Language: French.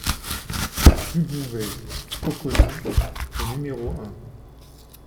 RUE BOUVET - COCONI au numéro un